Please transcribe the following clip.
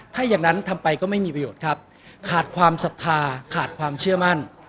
ถ้าอย่างนั้นทำไปก็ไม่มีประโยชน์ครับขาดความศรัทธาขาดความเชื่อมั่น